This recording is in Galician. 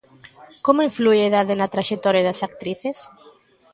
Como inflúe a idade na traxectoria das actrices?